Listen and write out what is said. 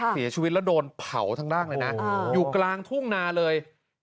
เสียชีวิตแล้วโดนเผาทั้งร่างเลยนะอยู่กลางทุ่งนาเลย